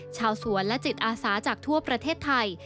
ชาวสวนและจิตอาสาจากทั่วประเทศไทย